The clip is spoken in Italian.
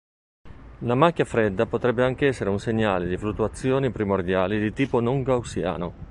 La macchia fredda potrebbe anche essere un segnale di fluttuazioni primordiali di tipo non-gaussiano.